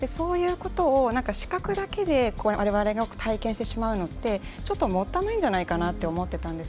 そういうことを視覚だけで我々が体現してしまうのってもったいないんじゃないかと思っていたんです。